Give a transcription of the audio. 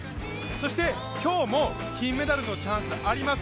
そして今日も金メダルのチャンスあります。